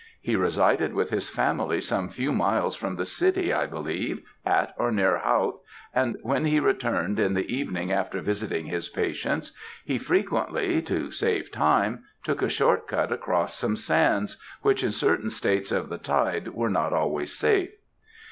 He resided with his family some few miles from the city, I believe, at or near Howth, and when he returned in the evening after visiting his patients, he frequently, to save time, took a short cut across some sands, which in certain states of the tide were not always safe.